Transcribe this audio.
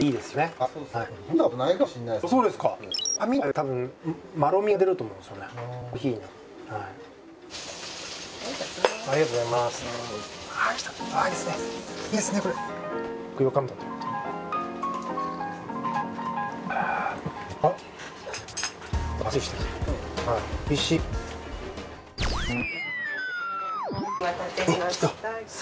ありがとうございます。